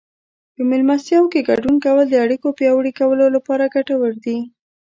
په مېلمستیاوو کې ګډون کول د اړیکو پیاوړي کولو لپاره ګټور دي.